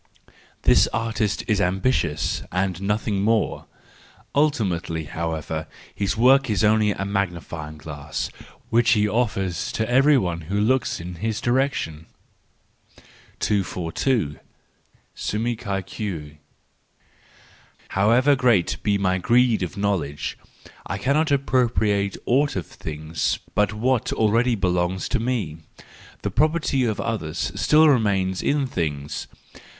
—This artist is ambitious and nothing more; ultimately, however, his work is only a magnifying glass, which he offers to every one who looks in his direction. 242. Suum cuique. —However great be my greed of knowledge, I cannot appropriate aught of things but what already belongs to me,—the property of others still remains in the things.